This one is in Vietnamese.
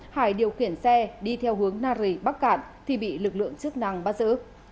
hải điều khiển xe đi theo hướng nari bắc cạn thì bị lực lượng chức năng bắt giữ